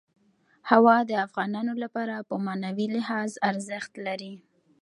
هوا د افغانانو لپاره په معنوي لحاظ ارزښت لري.